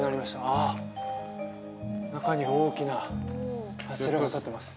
ああ中に大きな柱が立ってます